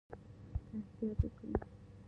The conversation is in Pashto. که احتیاط وکړئ